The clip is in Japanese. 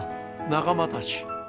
仲間たち！